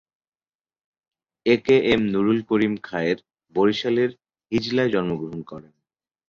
এ K M Nurul Karim Khayer বরিশালের হিজলায় জন্মগ্রহণ করেন।